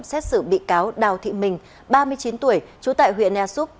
xét xử bị cáo đào thị mình ba mươi chín tuổi chú tại huyện ersup